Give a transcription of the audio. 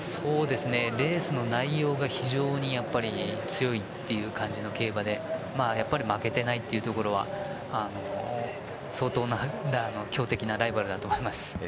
レースの内容が非常に強いという感じの競馬でやっぱり負けていないというところは相当強敵なライバルだと思います。